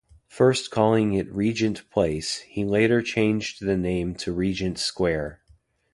First calling it Regent Place, he later changed the name to Regent Square.